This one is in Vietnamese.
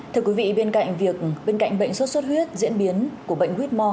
thưa quý vị bên cạnh bệnh xuất xuất huyết diễn biến của bệnh huyết mò